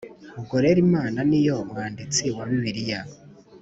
Ubwo rero, Imana ni yo Mwanditsi wa Bibiliya